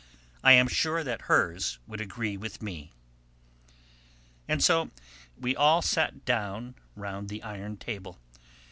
I am sure that hers would agree with me." And so we all sat down round the iron table.